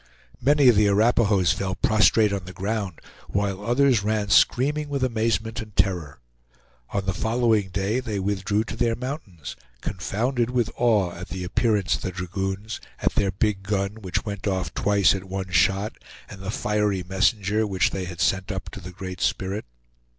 Many of the Arapahoes fell prostrate on the ground, while others ran screaming with amazement and terror. On the following day they withdrew to their mountains, confounded with awe at the appearance of the dragoons, at their big gun which went off twice at one shot, and the fiery messenger which they had sent up to the Great Spirit.